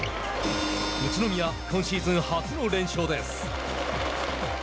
宇都宮、今シーズン初の連勝です。